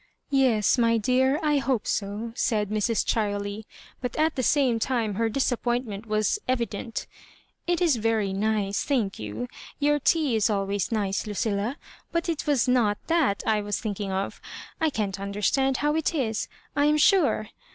" Yes, my dear, I hope so," said Mrs. Chiley, but at the same time her disappointment was evident " It is very nice, thank you — your tea is always nice, LuciUa — but it was not that I was thinking of I can't understand how it is, I am sure.